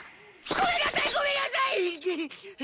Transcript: ごめんなさいごめんなさい！は？